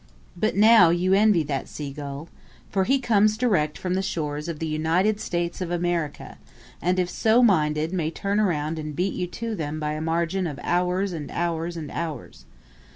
But now you envy that sea gull, for he comes direct from the shores of the United States of America and if so minded may turn around and beat you to them by a margin of hours and hours and hours.